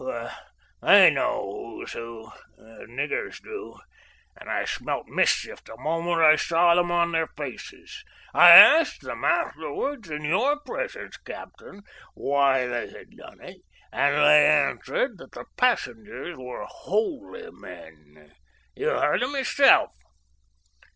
They know who's who these niggers do; and I smelt mischief the moment I saw them on their faces. I asked them afterwards in your presence, Captain, why they had done it, and they answered that the passengers were holy men. You heard 'em yourself."